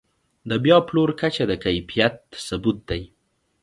د بیا پلور کچه د کیفیت ثبوت دی.